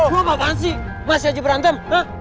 lo apaan sih masih aja berantem